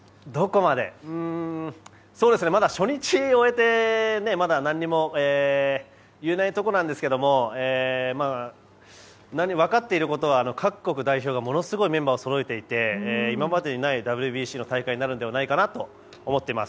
まだ初日を終えてまだ何も言えないところなんですが分かっていることは各国代表がものすごいメンバーをそろえていて今までにないＷＢＣの大会になるのではないかなと思っています。